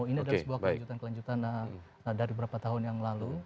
ini adalah sebuah kelanjutan kelanjutan dari beberapa tahun yang lalu